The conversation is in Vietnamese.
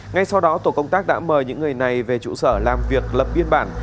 ngay sau đó tổ công tác đã mời những người này về trụ sở làm việc lập biên bản